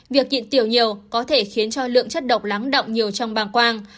việc nhịn tiểu nhiều có thể khiến cho lượng chất độc lắng động nhiều trong bàng quang